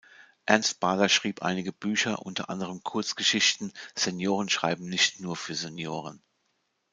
Ernst Bader schrieb einige Bücher, unter anderem Kurzgeschichten "Senioren schreiben nicht nur für Senioren".